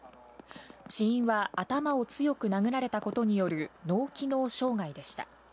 死因は頭を強く殴られたことによる脳機能障害でした。